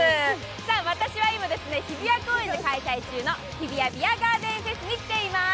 私は今、日比谷公園で開催中の日比谷ビアガーデンフェスに来ています。